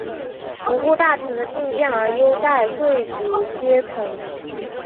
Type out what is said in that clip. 不顾大臣的进谏而优待贵族阶层。